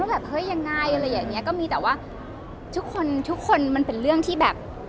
ตอนนี้ก็คุยกันว่าอย่างไรแต่ว่าทุกคนมันเป็นเรื่องที่แบบ